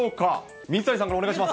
水谷さんからお願いします。